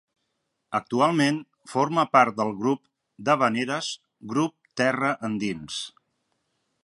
Actualment forma part del grup d'havaneres Grup Terra Endins.